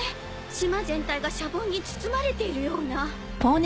島全体がシャボンに包まれているような